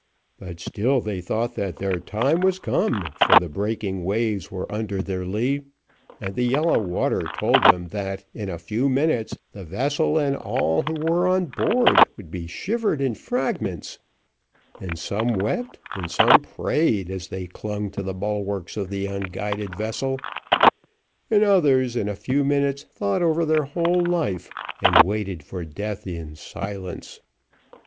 But still they thought that their time was come, for the breaking waves were under their lee, and the yellow waters told them that, in a few minutes, the vessel, and all who were on board, would be shivered in fragments; and some wept and some prayed as they clung to the bulwarks of the unguided vessel, and others in a few minutes thought over their whole life, and waited for death in silence.